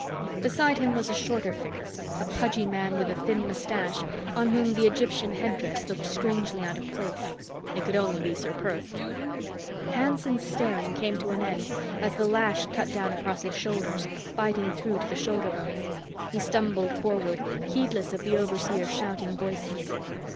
Beside him was a shorter figure: a pudgy man with a thin mustache, on whom the Egyptian headdress looked strangely out of place. It could only be Ser Perth! Hanson's staring came to an end as the lash cut down across his shoulders, biting through to the shoulder bone. He stumbled forward, heedless of the overseers' shouting voices.